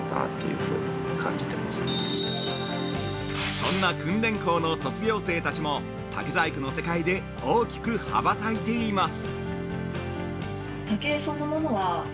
そんな訓練校の卒業生たちも竹細工の世界で大きくはばたいています。